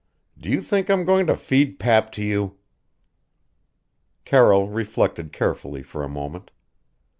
Do you think I'm going to feed pap to you?" Carroll reflected carefully for a moment.